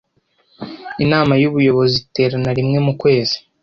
Inama y ubuyobozi iterana rimwe mu kwezi